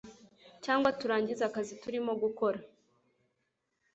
cyangwa turangize akazi turimo gukora